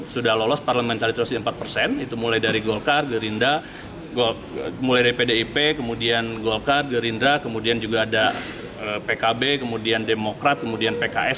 sudah lolos parliamentary trusty empat persen itu mulai dari golkar gerindra mulai dari pdip kemudian golkar gerindra kemudian juga ada pkb kemudian demokrat kemudian pks